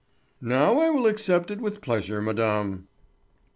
"Now I will accept it with pleasure, madame."